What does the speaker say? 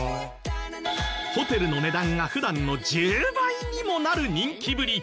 ホテルの値段が普段の１０倍にもなる人気ぶり！